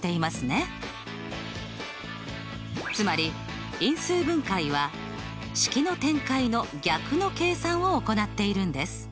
つまり因数分解は式の展開の逆の計算を行っているんです。